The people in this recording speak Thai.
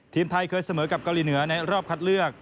ทีมไทยเคยเสมอกับเกาหลีเหนือในรอบคัดเลือก